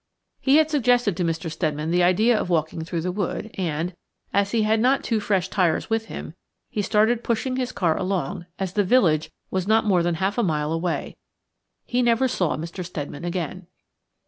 He had suggested to Mr. Steadman the idea of walking through the wood, and, as he had not two fresh tyres with him, he started pushing his car along, as the village was not more than half a mile away. He never saw Mr. Steadman again.